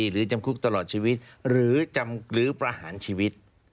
หรือจำคุกตลอดชีวิตหรือประหารชีวิต